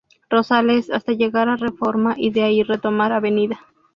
Rosales hasta llegar a reforma y de ahí retomar Av.